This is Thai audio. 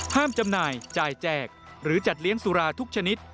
จำหน่ายจ่ายแจกหรือจัดเลี้ยงสุราทุกชนิด